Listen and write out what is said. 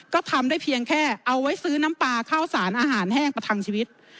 ก็ทำได้เพียงแค่เอาไว้ซื้อน้ำปลาข้าวสารอาหารแห้งประทังชีวิต